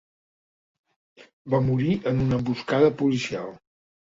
Va morir en una emboscada policial.